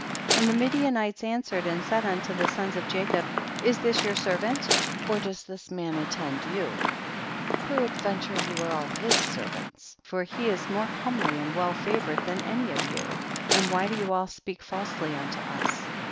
9. And the Midianites answered and said unto the sons of Jacob, is this your servant, or does this man attend you ? peradventure you are all his servants, for he is more comely and well favored than any of you, and why do you all speak falsely un to us?